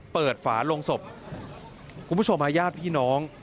ฝาลงศพคุณผู้ชมฮะญาติพี่น้อง